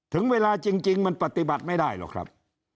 ถึงเวลาจริงมันปฏิบัติไม่ได้หรอกครับ